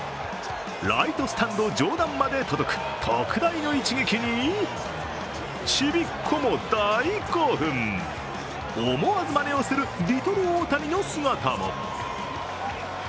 ライトスタンド上段まで届く特大の一撃にちびっこも大興奮、思わずまねをするリトル大谷の姿も。